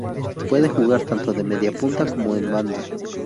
Puede jugar tanto de mediapunta como en banda.